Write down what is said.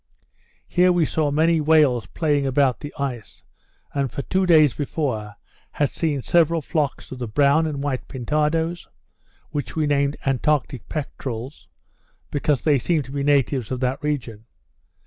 Here we saw many whales playing about the ice, and for two days before had seen several flocks of the brown and white pintadoes, which we named Antarctic peterels, because they seem to be natives of that region.